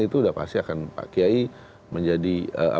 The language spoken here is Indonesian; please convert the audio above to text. itu sudah pasti akan pak kiai menjadi